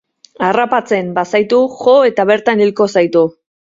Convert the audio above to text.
Harrapatzen bazaitu, jo eta bertan hilko zaitu.